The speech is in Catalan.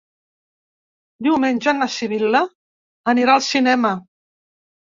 Diumenge na Sibil·la anirà al cinema.